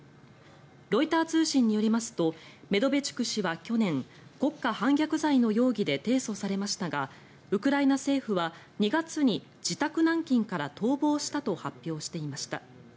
ロイター通信によりますとメドベチュク氏は去年国家反逆罪の容疑で提訴されましたがウクライナ政府は２月に自宅軟禁から逃亡したと発表していました。